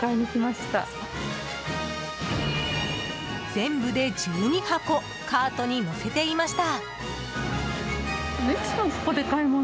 全部で１２箱カートに載せていました。